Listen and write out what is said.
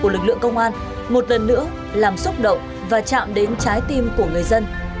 lực lượng công an một lần nữa làm xúc động và chạm đến trái tim của người dân